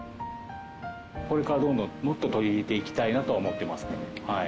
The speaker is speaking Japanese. これからどんどんもっと取り入れていきたいなと思ってますね。